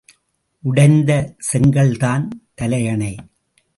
உடைந்த செங்கல்தான் தலையணை.